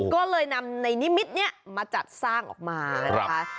ก็เลยนำในนิมิตรนี้มาจัดสร้างออกมานะคะ